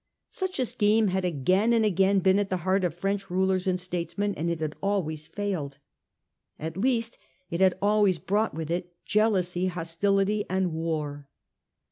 Such a scheme had again and again been at the heart of French rulers and statesmen, and it had always failed. At least it had always brought with it jealousy, hosti lity and war.